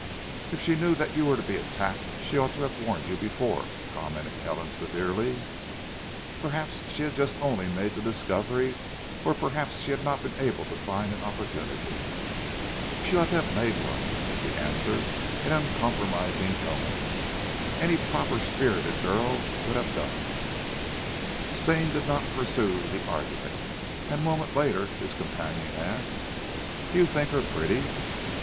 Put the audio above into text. "If she knew that you were to be attacked she ought to have warned you before," commented Helen severely. "Perhaps she had only just made the discovery or possibly she had not been able to find an opportunity." "She ought to have made one," was the answer in uncompromising tones. "Any proper spirited girl would have done." Stane did not pursue the argument, and a moment later his companion asked: "Do you think her pretty?"